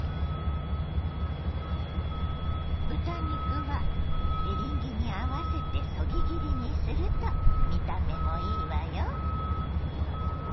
豚肉はエリンギに合わせてそぎ切りにすると見た目もいいわよ。